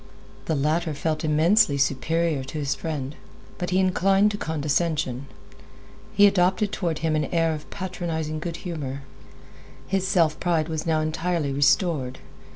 The latter felt immensely superior to his friend, but he inclined to condescension. He adopted toward him an air of patronizing good humor. His self pride was now entirely restored.